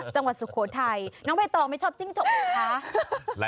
จังหวัดสุโขทัยน้องใบตองไม่ชอบจิ้งจกหรือคะ